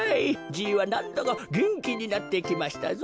じいはなんだかげんきになってきましたぞ。